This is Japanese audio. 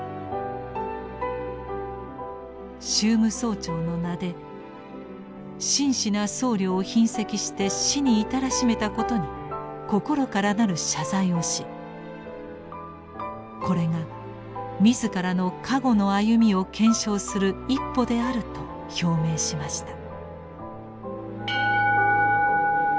宗務総長の名で「真摯な僧侶を擯斥して死に至らしめ」たことに「心からなる謝罪」をしこれが「自らの過誤の歩みを検証」する一歩であると表明しました。